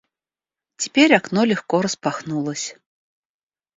Теперь окно легко распахнулось.